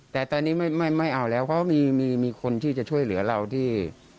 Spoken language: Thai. แต่ตอนนี้ไม่เอาแล้วเพราะมีคนที่จะช่วยเหลือเราที่